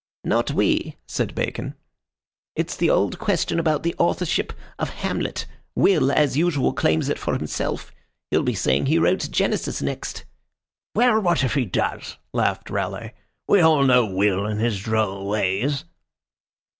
"Not we," said Bacon. "It's the old question about the authorship of Hamlet. Will, as usual, claims it for himself. He'll be saying he wrote Genesis next." "Well, what if he does?" laughed Raleigh. "We all know Will and his droll ways."